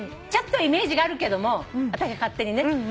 ちょっとイメージがあるけども私勝手にね。